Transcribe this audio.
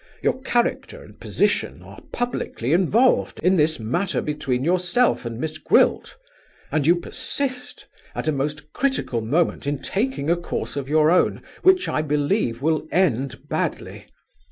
Your character and position are publicly involved in this matter between yourself and Miss Gwilt; and you persist, at a most critical moment, in taking a course of your own, which I believe will end badly.